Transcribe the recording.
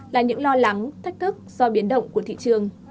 là những lo lắng thách thức do biến động của thị trường